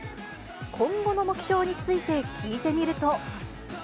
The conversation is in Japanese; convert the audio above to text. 今後の目標について聞いてみると。